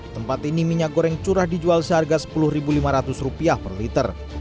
tempat ini minyak goreng curah dijual seharga rp sepuluh lima ratus per liter